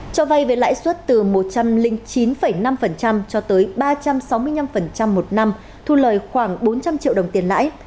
cho vay với lãi suất từ một trăm linh chín năm cho tới ba trăm sáu mươi năm một năm thu lời khoảng bốn trăm linh triệu đồng tiền lãi